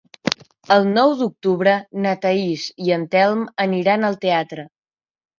El nou d'octubre na Thaís i en Telm aniran al teatre.